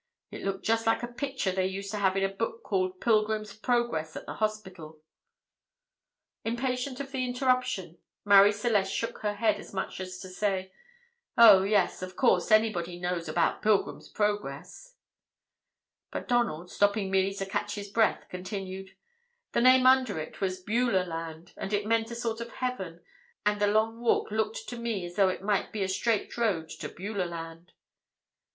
It looked just like a picture they used to have in a book called 'Pilgrim's Progress at the hospital." Impatient of the interruption, Marie Celeste shook her head, as much as to say, "Oh, yes, of course anybody knows about 'Pilgrim's Progress;'" but Donald, stopping merely to catch his breath, continued: "The name under it was Beulah Land, and it meant a sort of heaven; and the Long Walk looked to me as though it might be a straight road to Beulah Land."